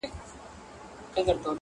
نور پر کمبله راته مه ږغوه-